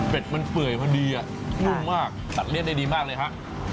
เป็ดมันเผื่อยมาดีอ่ะรุ่นมากตัดเลี่ยดได้ดีมากเลยค่ะ